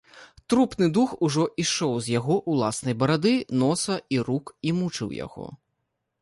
Трупны дух ужо ішоў з яго ўласнай барады, носа і рук і мучыў яго.